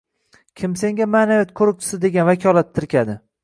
Kim senga “maʼnaviyat qoʻriqchisi” degan vakolat tirkadi?